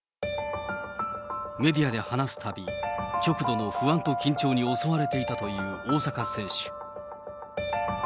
メディアで話すたび、極度の不安と緊張に襲われていたという大坂選手。